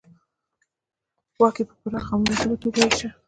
واک یې په پراخه او مناسبه توګه وېشه